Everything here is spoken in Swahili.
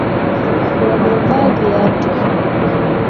Wamevaa viatu